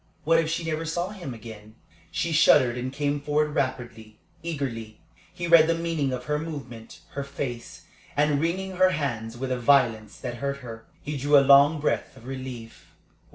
What if she never saw him again? She shuddered and came forward rapidly, eagerly. He read the meaning of her movement, her face; and, wringing her hands with a violence that hurt her, he drew a long breath of relief.